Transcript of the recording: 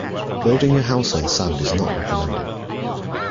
Building your house on sand is not recommended.